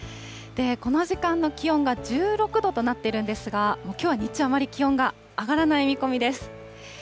この時間の気温が１６度となっているんですが、きょうは日中、あまり気温が上がらない見込みです。